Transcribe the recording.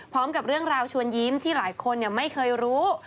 พร้อมกับเรื่องราวชวนยิ้มที่หลายคนไม่เคยรู้